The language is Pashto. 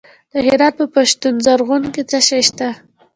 د هرات په پشتون زرغون کې څه شی شته؟